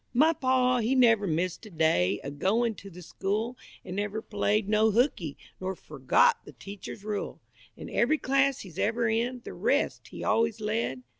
My pa, he never missed a day A goin' to the school, An' never played no hookey, nor Forgot the teacher's rule; An' every class he's ever in, The rest he always led.